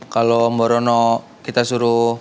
kalau mbak rono kita suruh